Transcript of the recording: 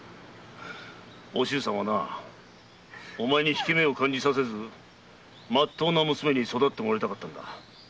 お静さんはお前に引け目を感じさせずまっとうな娘に育ってもらいたかった。